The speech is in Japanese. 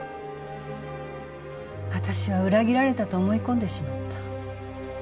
私は裏切られたと思い込んでしまった。